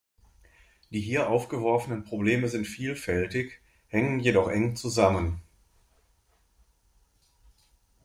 Die hier aufgeworfenen Probleme sind vielfältig, hängen jedoch eng zusammen.